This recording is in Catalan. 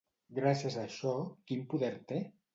Gràcies a això, quin poder té?